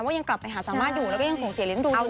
ว่ายังกลับไปหาสาวมาสอยู่แล้วก็ยังส่งเสียเลี้ยงรู